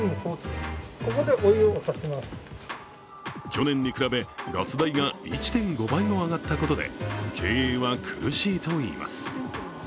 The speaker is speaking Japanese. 去年に比べガス代が１．５倍も上がったことで経営は苦しいといいます。